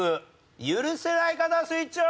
許せない方はスイッチオン！